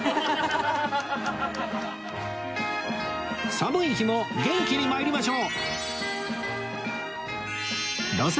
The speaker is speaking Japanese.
寒い日も元気に参りましょう！